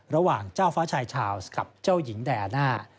ระหว่างเจ้าฟ้าชายชาวส์กับเจ้าหญิงแดน่า